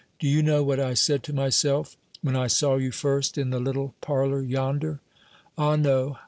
Do you know what I said to myself when I saw you first in the little parlour yonder? Ah, no!